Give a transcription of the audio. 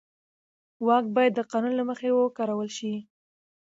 واک باید د قانون له مخې وکارول شي.